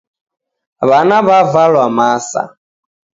W'ana w'avalwa masa.